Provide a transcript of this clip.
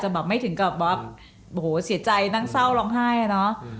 หมอเม๊กไม่ต้องเติมเลยนะแล้วก็จะบอก